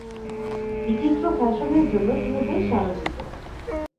বিচিত্র ফ্যাশনের জন্য তিনি বেশ আলোচিত।